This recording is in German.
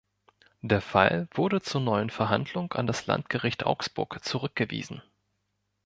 Der Fall wurde zur neuen Verhandlung an das Landgericht Augsburg zurückverwiesen.